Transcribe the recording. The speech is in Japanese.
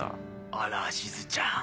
あらしずちゃん。